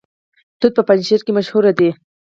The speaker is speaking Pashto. توت په پنجشیر کې مشهور دي